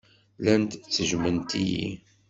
Llant ttejjment-iyi.